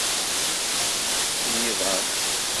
Yesɛa aṭas n yiḍan.